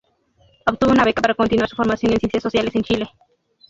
Obtuvo una beca para continuar su formación en ciencias sociales en Chile.